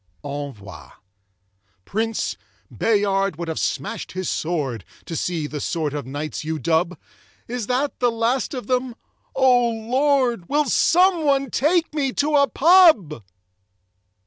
Envoi Prince, Bayard would have smashed his sword To see the sort of knights you dub Is that the last of them O Lord Will someone take me to a pub?